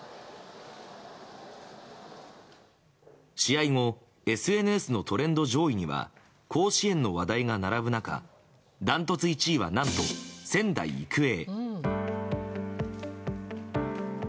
試合後ＳＮＳのトレンド上位には高校野球の話題が並ぶ中ダントツ１位は何と仙台育英。